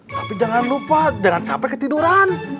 tapi jangan lupa jangan sampai ketiduran